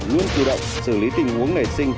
luôn tự động xử lý tình huống nảy sinh